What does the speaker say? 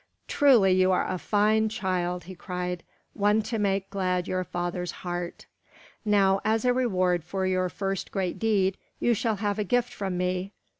"Truly, you are a fine child!" he cried; "one to make glad your father's heart. Now as a reward for your first great deed you shall have a gift from me.